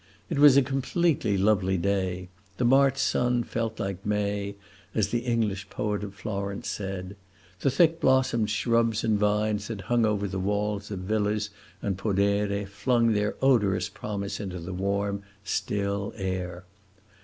It was a completely lovely day; the March sun felt like May, as the English poet of Florence says; the thick blossomed shrubs and vines that hung over the walls of villa and podere flung their odorous promise into the warm, still air.